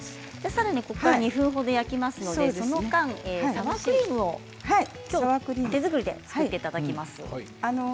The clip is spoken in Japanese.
さらに２分ほど焼きますのでサワークリームをきょうは手作りで作っていただきます。